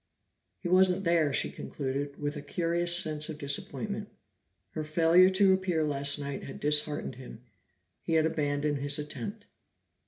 He wasn't there, she concluded, with a curious sense of disappointment; her failure to appear last night had disheartened him; he had abandoned his attempt.